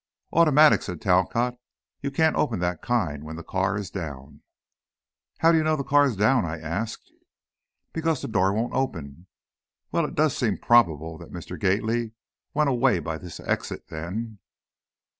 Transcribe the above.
"Automatic," said Talcott. "You can't open that kind, when the car is down." "How do you know the car is down?" I asked. "Because the door won't open. Well, it does seem probable that Mr. Gately went away by this exit, then."